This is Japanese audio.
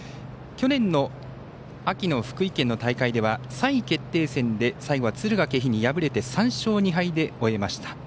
去年の秋の福井県の大会では３位決定戦で最後は敦賀気比に敗れて３勝２敗で終えました。